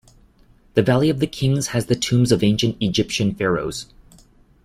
The valley of the kings has the tombs of ancient Egyptian pharaohs.